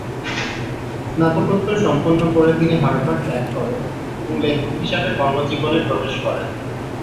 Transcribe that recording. স্নাতকোত্তর সম্পন্ন করে তিনি হার্ভার্ড ত্যাগ করেন এবং লেখক হিসাবে কর্মজীবনে প্রবেশ করেন।